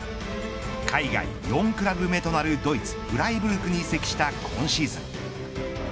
海外、４クラブ目となるドイツフライブルクに移籍した今シーズン。